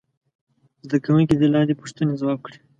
زده کوونکي دې لاندې پوښتنې ځواب کړي.